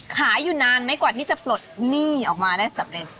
ขายอยู่นานไหมกว่านี่จะปลดหนี้ออกมานะ